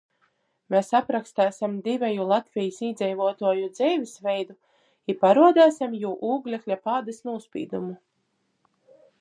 Mes apraksteisim diveju Latvejis īdzeivuotuoju dzeivis veidu i paruodeisim jūs ūglekļa pāda nūspīdumu.